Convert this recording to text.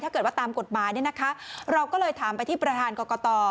ถ้าเกิดว่าตามกฎหมายเนี่ยนะคะเราก็เลยถามไปที่ประธานกรกต